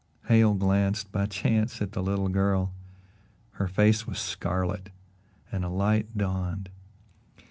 Hale glanced by chance at the little girl. Her face was scarlet, and a light dawned.